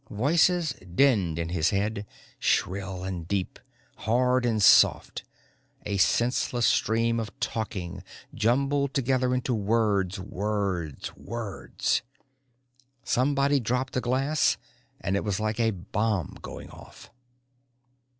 Voices dinned in his head, shrill and deep, hard and soft, a senseless stream of talking, jumbled together into words, words, words. Somebody dropped a glass and it was like a bomb going off.